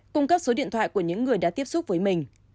cung cấp số điện thoại của những người đã tiếp xúc với mình